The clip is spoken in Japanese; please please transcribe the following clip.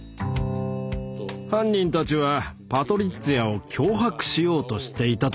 犯人たちはパトリッツィアを脅迫しようとしていたというんだ。